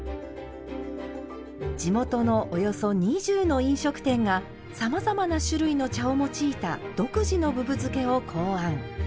地元のおよそ２０の飲食店がさまざまな種類の茶を用いた独自のぶぶ漬けを考案。